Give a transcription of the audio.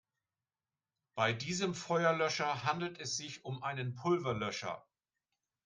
Bei diesem Feuerlöscher handelt es sich um einen Pulverlöscher.